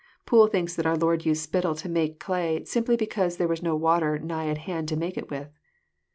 Poole thinks that our Lord used spittle to make clay, simply because there was no water nigh at hand to make it with.